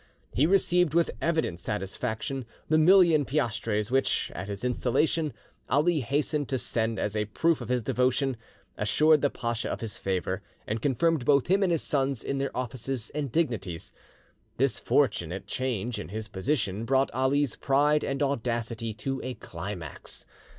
He received with evident satisfaction the million piastres which, at, his installation, Ali hastened to send as a proof of his devotion, assured the pacha of his favour, and confirmed both him and his sons in their offices and dignities. This fortunate change in his position brought Ali's pride and audacity to a climax.